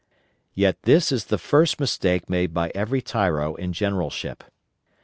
Yet his is the first mistake made by every tyro in generalship.